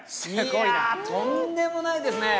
いやぁとんでもないですね！